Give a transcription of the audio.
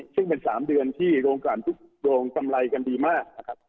ซึ่งเป็น๓เดือนที่โรงการทุกโรงกำไรกันดีมากนะครับ